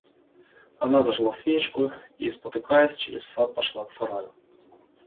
Она зажгла свечку и, спотыкаясь, через сад пошла к сараю.